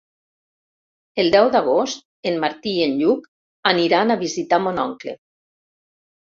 El deu d'agost en Martí i en Lluc aniran a visitar mon oncle.